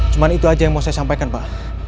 cuma itu aja yang mau saya sampaikan pak